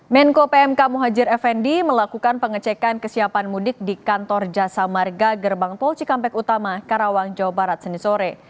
menko pmk muhajir effendi melakukan pengecekan kesiapan mudik di kantor jasa marga gerbang tol cikampek utama karawang jawa barat senin sore